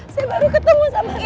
saya baru ketemu sama anak saya